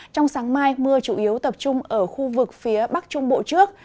trong sáng mai mưa chủ yếu tập trung ở khu vực phía bắc trung bộ trước